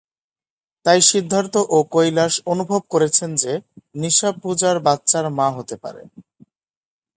তাই সিদ্ধার্থ ও কৈলাস অনুভব করেছেন যে নিশা পূজার বাচ্চার মা হতে পারে।